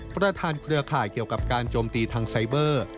เครือข่ายเกี่ยวกับการโจมตีทางไซเบอร์